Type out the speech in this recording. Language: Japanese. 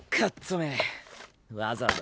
めわざわざ